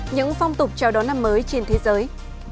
những phong tục chào đón năm mới trên thế giới